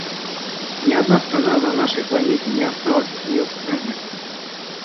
Ни одна страна на нашей планете не осталась от нее в стороне.